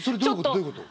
どういうこと？